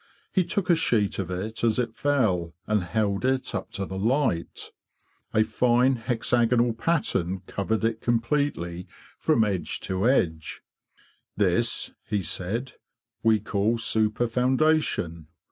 He took a sheet of it as it fell, and held it up to the light. A fine hexagonal pattern covered it completely from edge to edge. " This,'"' he said, '' we call super foundation.